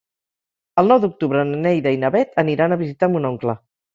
El nou d'octubre na Neida i na Bet aniran a visitar mon oncle.